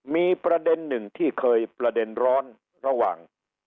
มีประเด็นหนึ่งที่เคยประเด็นร้อนระหว่าง